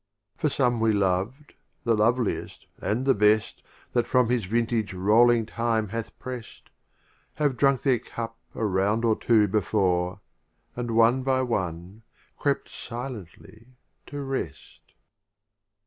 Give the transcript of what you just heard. XXII. For some we loved, the loveliest and the best That from his Vintage rolling Time hath prest, Have drunk their Cup a Round or two before, And one by one crept silently to rest.